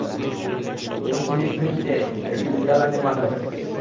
তিনি সিলিভ্রিকাপি-তে একটি বিদ্যালয় নির্মাণ করেন।